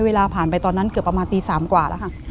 เวลาผ่านไปตอนนั้นประมาณตี๓แล้วค่ะ